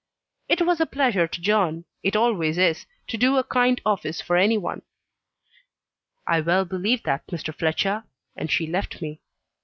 "It was a pleasure to John it always is to do a kind office for any one." "I well believe that, Mr. Fletcher." And she left me.